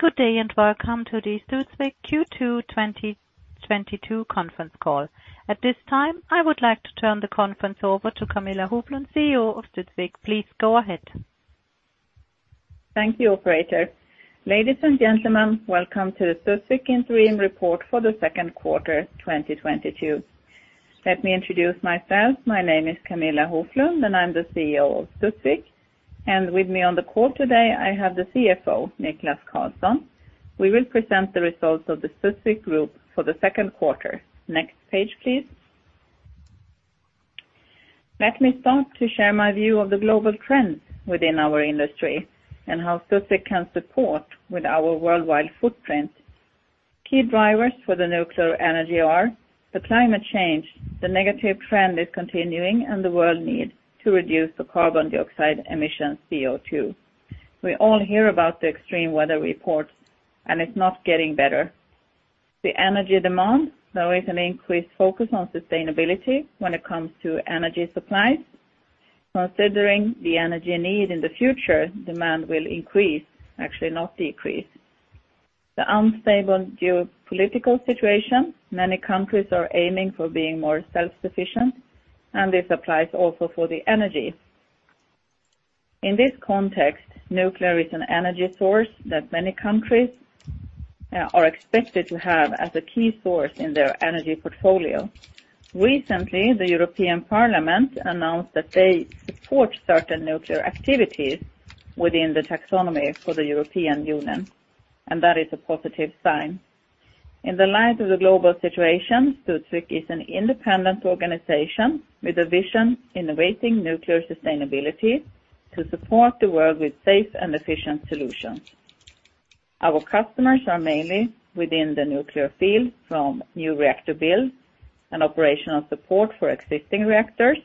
Good day, and welcome to the Studsvik Q2 2022 conference call. At this time, I would like to turn the conference over to Camilla Hoflund, CEO of Studsvik. Please go ahead. Thank you, operator. Ladies and gentlemen, welcome to the Studsvik interim report for the second quarter 2022. Let me introduce myself. My name is Camilla Hoflund, and I'm the CEO of Studsvik. With me on the call today, I have the CFO, Niklas Karlsson. We will present the results of the Studsvik group for the second quarter. Next page, please. Let me start to share my view of the global trends within our industry and how Studsvik can support with our worldwide footprint. Key drivers for the nuclear energy are the climate change, the negative trend is continuing, and the world need to reduce the carbon dioxide emissions, CO2. We all hear about the extreme weather reports, and it's not getting better. The energy demand, there is an increased focus on sustainability when it comes to energy supplies. Considering the energy need in the future, demand will increase, actually not decrease. The unstable geopolitical situation, many countries are aiming for being more self-sufficient, and this applies also for the energy. In this context, nuclear is an energy source that many countries are expected to have as a key source in their energy portfolio. Recently, the European Parliament announced that they support certain nuclear activities within the taxonomy for the European Union, and that is a positive sign. In the light of the global situation, Studsvik is an independent organization with a vision innovating nuclear sustainability to support the world with safe and efficient solutions. Our customers are mainly within the nuclear field from new reactor build and operational support for existing reactors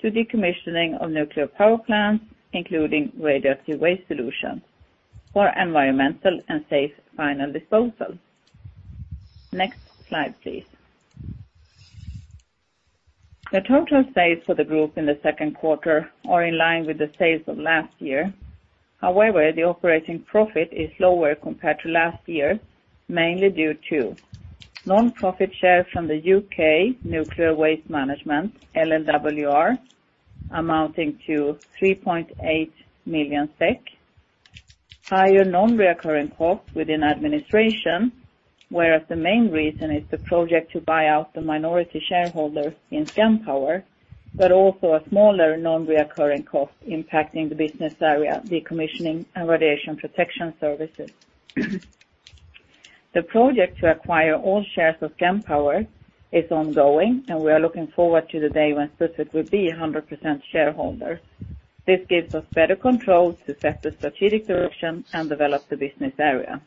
to decommissioning of nuclear power plants, including radioactive waste solutions for environmental and safe final disposal. Next slide, please. The total sales for the group in the second quarter are in line with the sales of last year. However, the operating profit is lower compared to last year, mainly due to non-profit shares from the U.K. Nuclear Waste Management, LLWR, amounting to SEK 3.8 million, higher non-recurring costs within administration, whereas the main reason is the project to buy out the minority shareholder in Gempower, but also a smaller non-recurring cost impacting the business area, Decommissioning and Radiation Protection Services. The project to acquire all shares of Gempower is ongoing, and we are looking forward to the day when Studsvik will be 100% shareholder. This gives us better control to set the strategic direction and develop the business area.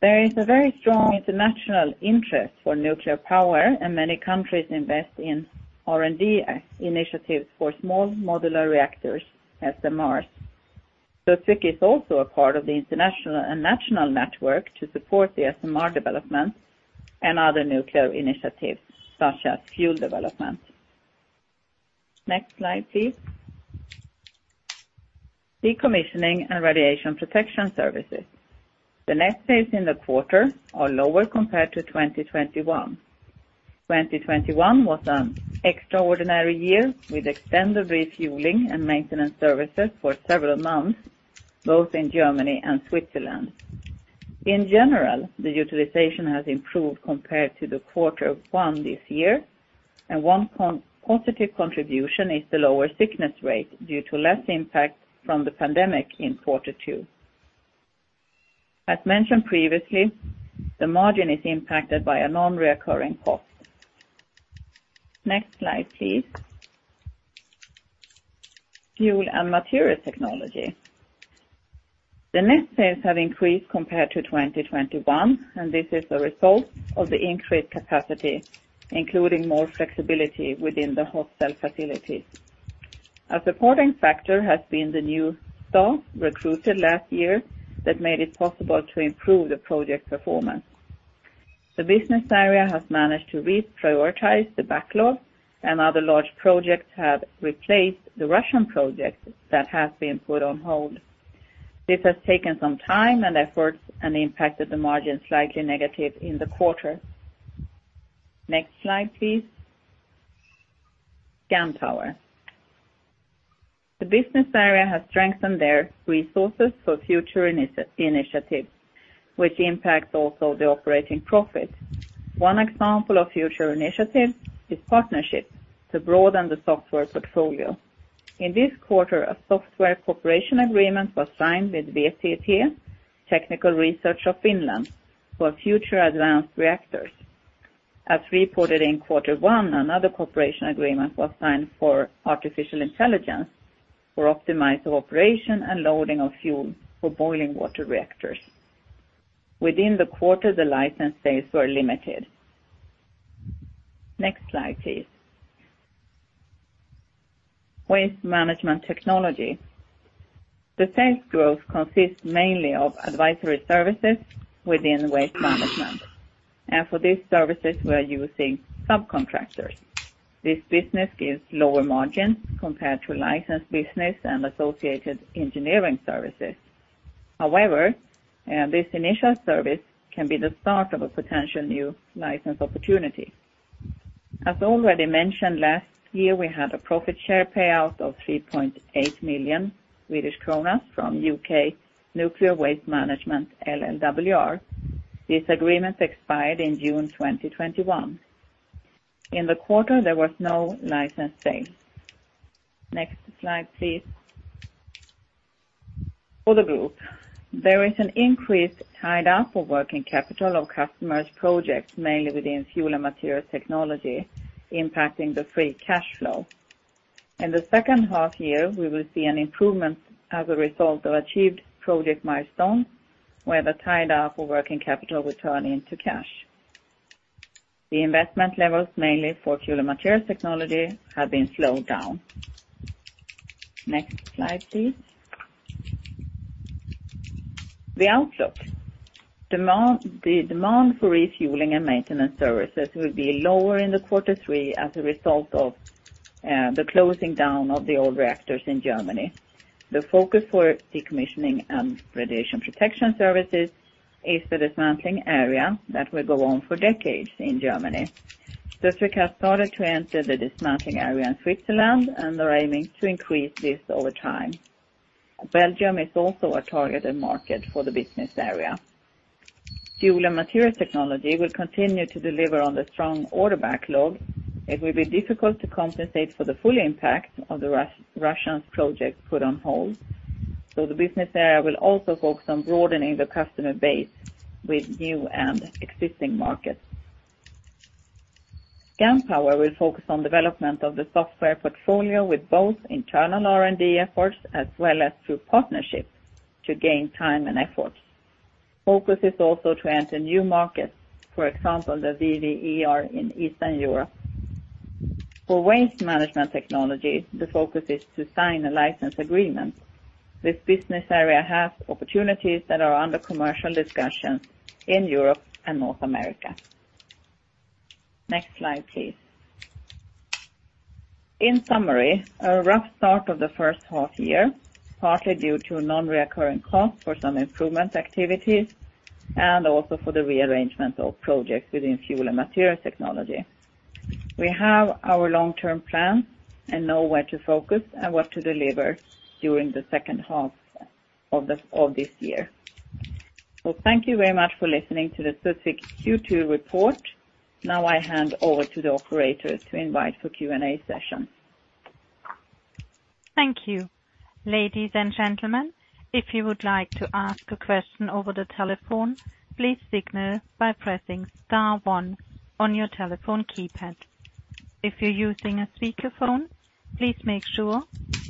There is a very strong international interest for nuclear power, and many countries invest in R&D initiatives for small modular reactors, SMRs. Studsvik is also a part of the international and national network to support the SMR development and other nuclear initiatives, such as fuel development. Next slide, please. Decommissioning and Radiation Protection Services. The net sales in the quarter are lower compared to 2021. 2021 was an extraordinary year with extended refueling and maintenance services for several months, both in Germany and Switzerland. In general, the utilization has improved compared to the quarter one this year, and one positive contribution is the lower sickness rate due to less impact from the pandemic in quarter two. As mentioned previously, the margin is impacted by a non-recurring cost. Next slide, please. Fuel and Materials Technology. The net sales have increased compared to 2021, and this is a result of the increased capacity, including more flexibility within the hot cell facilities. A supporting factor has been the new staff recruited last year that made it possible to improve the project performance. The business area has managed to reprioritize the backlog, and other large projects have replaced the Russian projects that have been put on hold. This has taken some time and effort and impacted the margin slightly negative in the quarter. Next slide, please. Gempower. The business area has strengthened their resources for future initiatives, which impacts also the operating profit. One example of future initiatives is partnerships to broaden the software portfolio. In this quarter, a software cooperation agreement was signed with VTT Technical Research Centre of Finland Ltd for future advanced reactors. As reported in quarter one, another cooperation agreement was signed for artificial intelligence for optimized operation and loading of fuel for boiling water reactors. Within the quarter, the license sales were limited. Next slide, please. Waste Management Technology. The sales growth consists mainly of advisory services within waste management. For these services, we are using subcontractors. This business gives lower margins compared to license business and associated engineering services. However, this initial service can be the start of a potential new license opportunity. As already mentioned, last year, we had a profit share payout of 3.8 million Swedish kronor from Nuclear Waste Services, LLWR. This agreement expired in June 2021. In the quarter, there was no license sale. Next slide, please. For the group, there is an increase tied up for working capital of customers' projects, mainly within Fuel and Materials Technology, impacting the free cash flow. In the second half year, we will see an improvement as a result of achieved project milestone, where the tied up for working capital will turn into cash. The investment levels, mainly for Fuel and Materials Technology, have been slowed down. Next slide, please. The outlook. The demand for refueling and maintenance services will be lower in quarter three as a result of the closing down of the old reactors in Germany. The focus for Decommissioning and Radiation Protection Services is the dismantling area that will go on for decades in Germany. Studsvik has started to enter the dismantling area in Switzerland and are aiming to increase this over time. Belgium is also a targeted market for the business area. Fuel and material technology will continue to deliver on the strong order backlog. It will be difficult to compensate for the full impact of the Russian project put on hold. The business area will also focus on broadening the customer base with new and existing markets. Scandpower will focus on development of the software portfolio with both internal R&D efforts as well as through partnerships to gain time and effort. Focus is also to enter new markets, for example, the VVER in Eastern Europe. For Waste Management Technology, the focus is to sign a license agreement. This business area has opportunities that are under commercial discussions in Europe and North America. Next slide, please. In summary, a rough start of the first half year, partly due to a non-recurring cost for some improvement activities, and also for the rearrangement of projects within Fuel and Materials Technology. We have our long-term plan and know where to focus and what to deliver during the second half of this year. Thank you very much for listening to the Studsvik Q2 report. Now I hand over to the operator to invite for Q&A session. Thank you. Ladies and gentlemen, if you would like to ask a question over the telephone, please signal by pressing star one on your telephone keypad. If you're using a speakerphone, please make sure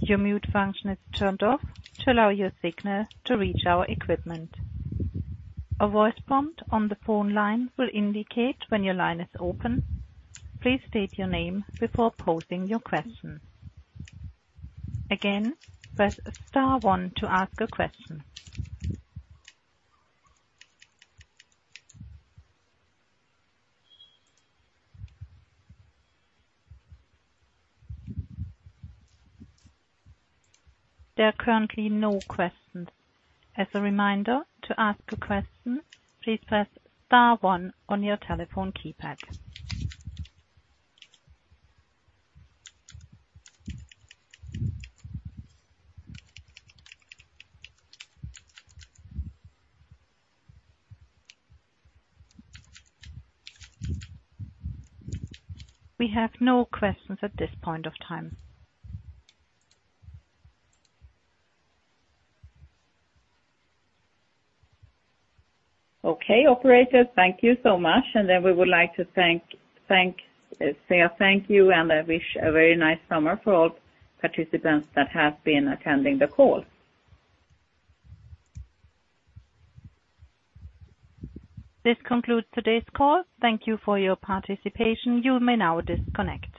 your mute function is turned off to allow your signal to reach our equipment. A voice prompt on the phone line will indicate when your line is open. Please state your name before posing your question. Again, press star one to ask a question. There are currently no questions. As a reminder, to ask a question, please press star one on your telephone keypad. We have no questions at this point of time. Okay. Operator, thank you so much. Then we would like to thank, say a thank you, and I wish a very nice summer for all participants that have been attending the call. This concludes today's call. Thank you for your participation. You may now disconnect.